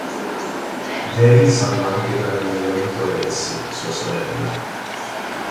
David salva anche dall'annegamento Elsie, sua sorella.